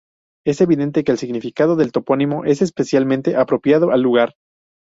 Es evidente que el significado del topónimo es especialmente apropiado al lugar.